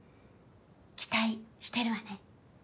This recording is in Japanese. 期待してるわね。